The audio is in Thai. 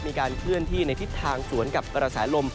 มีการเคลื่อนที่ในทิศทางสวนกับกระแสลม